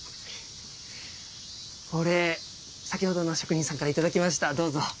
これ先ほどの職人さんからいただきましたどうぞ。